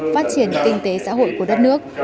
phát triển kinh tế xã hội của đất nước